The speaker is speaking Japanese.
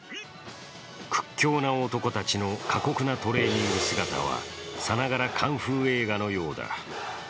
屈強な男たちの過酷なトレーニング姿はさながらカンフー映画のようだ。